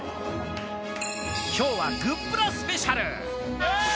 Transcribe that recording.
きょうはグップラスペシャル。